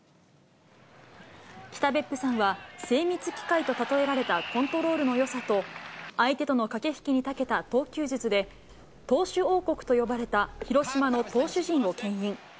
北別府さんは精密機械と例えられたコントロールのよさと、相手との駆け引きにたけた投球術で、投手王国と呼ばれた広島の投手陣をけん引。